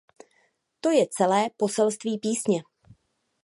To je celé poselství písně.